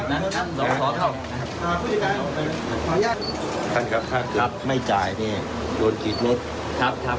นะฮะท่านครับถ้าเกิดครับไม่จ่ายนี่โดนกินรถครับครับ